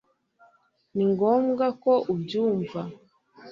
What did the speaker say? Ni ngombwa ko ubyumva